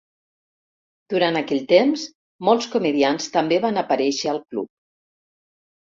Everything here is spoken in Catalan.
Durant aquell temps, molts comediants també van aparèixer al club.